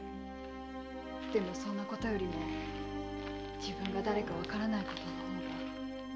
でもそんなことより自分が誰かわからないことの方が。